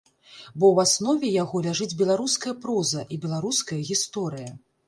Бо ў аснове яго ляжыць беларуская проза і беларуская гісторыя.